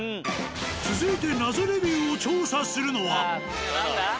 続いて謎レビューを調査するのは。